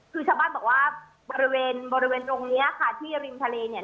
คือชาวบ้านบอกว่าบริเวณบริเวณตรงเนี้ยค่ะที่ริมทะเลเนี่ย